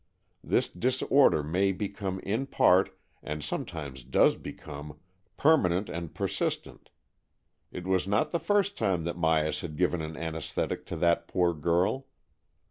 This disorder may become in part, and sometimes does become, permanent and per sistent. It was not the first time that Myas had given an anaesthetic to that poor girl.